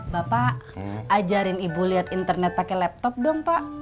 bapak ajarin ibu liat internet pake laptop dong pak